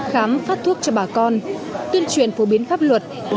khám phát thuốc cho bà con tuyên truyền phổ biến pháp luật